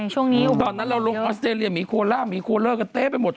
ตอนนั้นเราลงออสเตรเลียมีโคล่ากันเต๊ะไปหมด